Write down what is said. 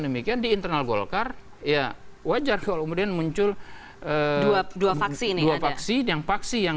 demikian di internal golkar ya wajar kalau kemudian muncul dua paksi yang paksi yang